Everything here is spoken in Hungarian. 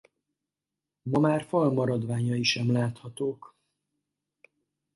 Ma már falmaradványai sem láthatók.